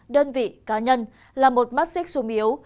đơn vị cá nhân là một mắt xích sung yếu